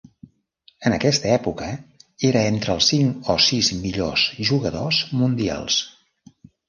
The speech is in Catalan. En aquesta època, era entre els cinc o sis millors jugadors mundials.